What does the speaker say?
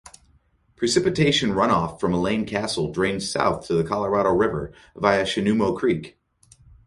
Precipitation runoff from Elaine Castle drains south to the Colorado River via Shinumo Creek.